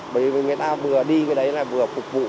bởi vì người ta vừa đi cái đấy là vừa phục vụ